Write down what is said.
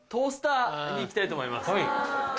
行きたいと思います。